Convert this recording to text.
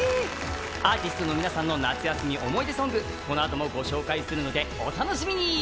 アーティストの皆さんの夏休み思い出ソング、このあともご紹介するのでお楽しみに！